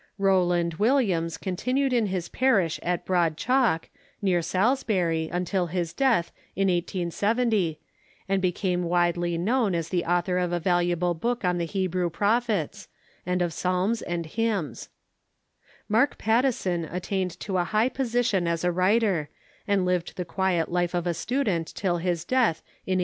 Row land Williams continued in his parish at Broad Chalke, near Salisbury, until his death, in 1870, and became Avidely kuoAvn as the author of a valuable book on the IlebreAV prophets, and 358 THE MODERN CHURCH of psalms and hymns. Mark Pattison attained to a high po sition as a Avriter, and lived the quiet ^i^e of a student till his death, in 1884.